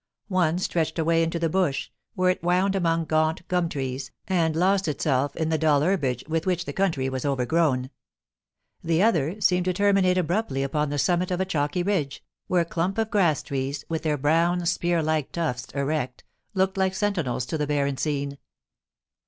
One stretched away into the bush, where it wound among gaunt gum trees, and lost itself in the dull herbage with which the country was overgrown ; the other seemed to ter minate abruptly upon the summit of a chalky ridge, where a clump of grass trees, with their brown, spear like tufts erect, looked like sentinels to the barren scene.